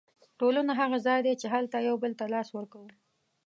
ټولنه هغه ځای دی چې هلته یو بل ته لاس ورکوو.